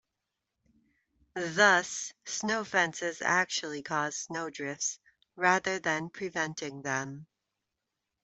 Thus, snow fences actually cause snow drifts, rather than preventing them.